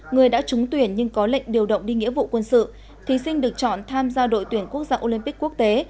người đã trúng tuyển nhưng có lệnh điều động đi nghĩa vụ quân sự thí sinh được chọn tham gia đội tuyển quốc gia olympic quốc tế